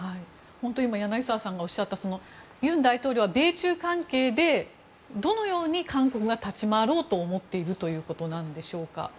柳澤さんがおっしゃった尹大統領は米中関係でどのように韓国が立ち回ろうと思っているということでしょうか。